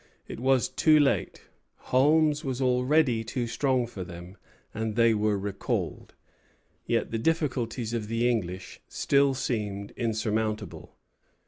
It was too late. Holmes was already too strong for them, and they were recalled. Yet the difficulties of the English still seemed insurmountable.